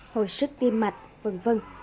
hồi sức tim mạch v v